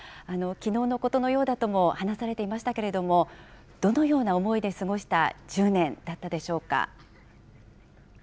きのうのことのようだとも話されていましたけれども、どのような思いで過ごした１０年だったでしょうか。